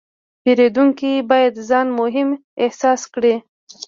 پیرودونکی باید ځان مهم احساس کړي.